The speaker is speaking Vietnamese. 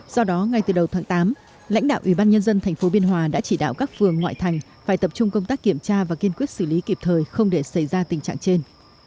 do đó ngay từ đầu tháng tám lãnh đạo ủy ban nhân dân tp biên hòa đã chỉ đạo các phường ngoại thành phải tập trung công tác kiểm tra và kiên quyết xử lý kịp thời không để xảy ra tình trạng trên